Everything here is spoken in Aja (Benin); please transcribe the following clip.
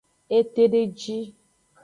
Etedeji.